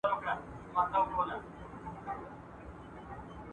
کمپيوټر جيپي اېس مښلوي.